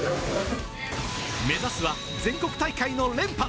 目指すは全国大会の連覇。